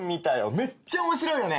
めっちゃ面白いよね。